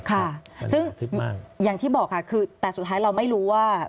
ค่ะซึ่งอย่างที่บอกค่ะคือแต่สุดท้ายเราไม่รู้ว่า